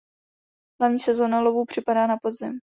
Hlavní sezóna lovu připadá na podzim.